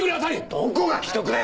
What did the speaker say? どこが危篤だよ！